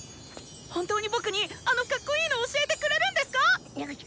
本当に僕にあのカッコイイの教えてくれるんですか⁉ぐっ。